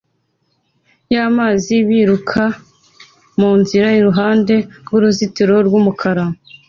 yamazi biruka munzira iruhande rwuruzitiro rwumukara